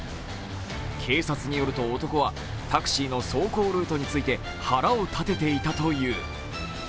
警察によると、男はタクシーの走行ルートについて腹を立てていたという。